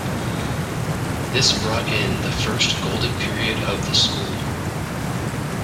This brought in the first golden period of the school.